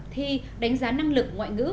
thi đánh giá năng lực ngoại ngữ